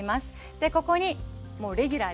でここにもうレギュラーですね。